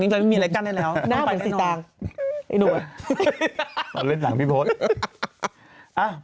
เขาเล่นหนังพี่พจน์